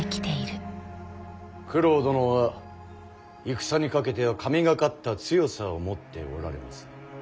九郎殿は戦にかけては神がかった強さを持っておられます。